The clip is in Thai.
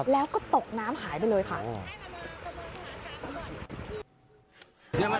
แล้วก็ตกน้ำหายไปเลยค่ะ